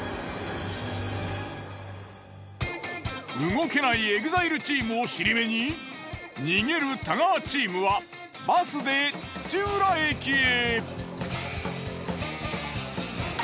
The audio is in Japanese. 動けないＥＸＩＬＥチームを尻目に逃げる太川チームはバスで土浦駅へ。